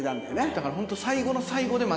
だから本当最後の最後で負けた。